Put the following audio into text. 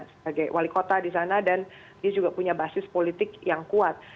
sebagai wali kota di sana dan dia juga punya basis politik yang kuat